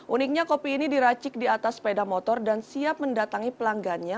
uniknya kopi ini diracik di atas sepeda motor dan siap mendatangi pelanggannya